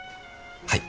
はい。